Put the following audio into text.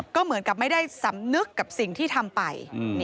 ก็เหมือนกับไม่ได้สำนึกกับสิ่งที่ทำไป